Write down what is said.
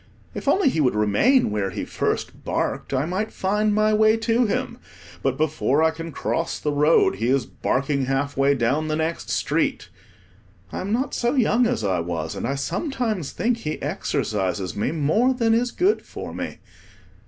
If only he would remain where he first barked, I might find my way to him; but, before I can cross the road, he is barking half way down the next street. I am not so young as I was and I sometimes think he exercises me more than is good for me.